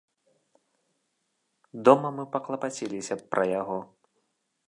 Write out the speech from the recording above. Дома мы паклапаціліся б пра яго.